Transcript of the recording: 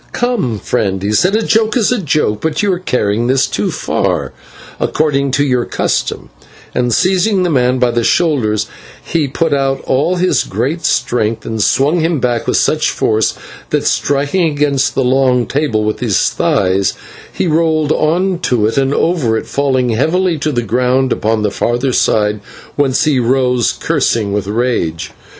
"Come, friend," he said, "a joke is a joke, but you are carrying this too far, according to your custom," and, seizing the man by the shoulders, he put out all his great strength, and swung him back with such force that, striking against the long table with his thighs, he rolled on to and over it, falling heavily to the ground upon the farther side, whence he rose cursing with rage.